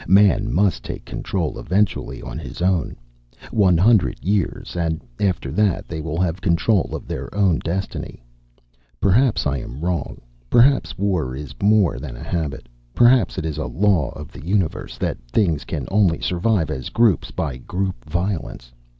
Man must take control eventually, on his own. One hundred years, and after that they will have control of their own destiny. Perhaps I am wrong, perhaps war is more than a habit. Perhaps it is a law of the universe, that things can only survive as groups by group violence.